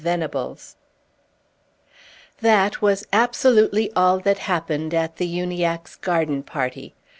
VENABLES That was absolutely all that happened at the Uniackes' garden party.